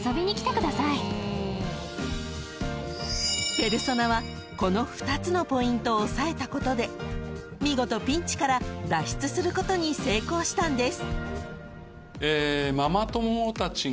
［ペルソナはこの２つのポイントを押さえたことで見事ピンチから脱出することに成功したんです］